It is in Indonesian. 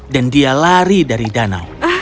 dan dia lari dari danau